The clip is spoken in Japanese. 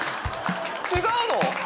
違うの？